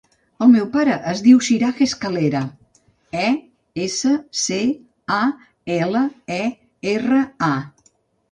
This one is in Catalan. El meu pare es diu Siraj Escalera: e, essa, ce, a, ela, e, erra, a.